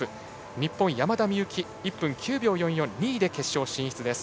日本、山田美幸は１分９秒４４２位で決勝進出です。